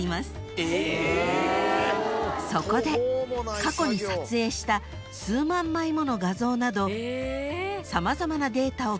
［そこで過去に撮影した数万枚もの画像など様々なデータを組み合わせ